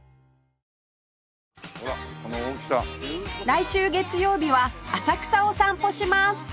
来週月曜日は浅草を散歩します